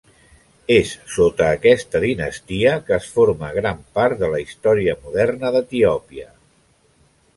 És sota aquesta dinastia que es forma gran part de la història moderna d'Etiòpia.